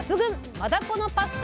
「マダコのパスタ」